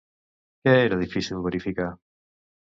Què era difícil verificar?